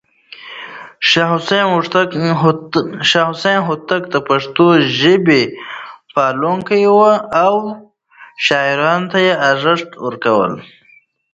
شاه حسين هوتک د پښتو ژبې پالونکی و او شاعرانو ته يې ارزښت ورکولو.